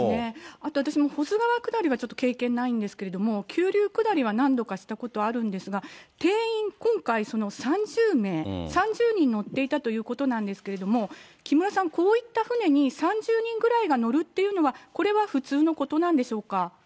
あと私も、保津川下りはちょっと経験ないんですけれども、急流下りは何度かしたことあるんですが、定員、今回３０名、３０人乗っていたということなんですけれども、木村さん、こういった舟に３０人ぐらいが乗るっていうのは、これは普通のことなんでしょうか。